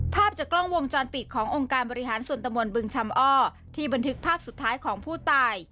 ภาพจากกล้องวงจรปิดขององค์การบริหารส่วนตะมนต์บึงชำอ้อที่บันทึกภาพสุดท้ายของผู้ตาย